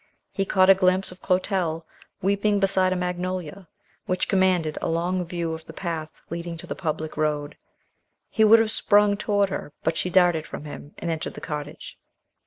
He caught a glimpse of Clotel, weeping beside a magnolia, which commanded a long view of the path leading to the public road. He would have sprung toward her but she darted from him, and entered the cottage.